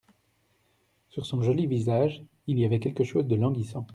Sur son joli visage il y avait quelque chose de languissant.